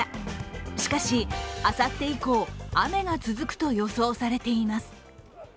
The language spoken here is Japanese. しかし、あさって以降雨が続くと予想されています。